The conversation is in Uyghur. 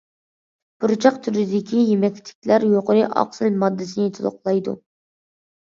پۇرچاق تۈرىدىكى يېمەكلىكلەر يۇقىرى ئاقسىل ماددىسىنى تولۇقلايدۇ.